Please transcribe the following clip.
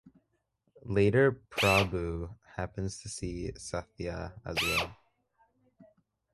Later Prabhu happens to see Sathya as well.